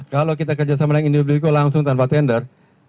kalau kita kerjasama dengan indobico langsung tanpa tender